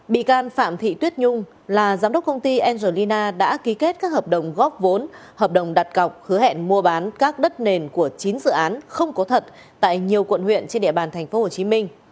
bị can phạm thị tuyết nhung là giám đốc công ty angelina đã ký kết các hợp đồng góp vốn hợp đồng đặt cọc hứa hẹn mua bán các đất nền của chín dự án không có thật tại nhiều quận huyện trên địa bàn tp hcm